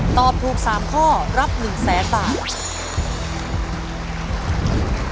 ตอบถูก๓ข้อรับ๑๐๐๐๐๐บาท